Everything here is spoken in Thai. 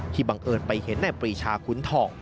ที่บังเอิญไปเห็นในปรีชาคุณท่อ